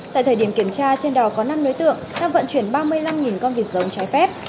tại thời điểm kiểm tra trên đò có năm đối tượng đang vận chuyển ba mươi năm con vịt giống trái phép